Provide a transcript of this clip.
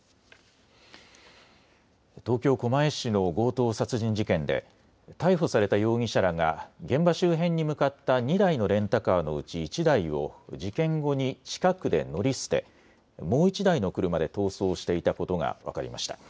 東京狛江市の強盗殺人事件で逮捕された容疑者らが現場周辺に向かった２台のレンタカーのうち１台を事件後に近くで乗り捨てもう１台の車で逃走していたことが分かりました。